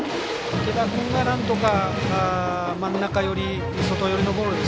池田君がなんとか真ん中寄り外寄りのボール